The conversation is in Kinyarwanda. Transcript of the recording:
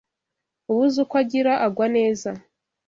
Ubuze uko agira agwa neza